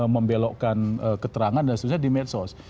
membelokkan keterangan dan sebagainya di medsos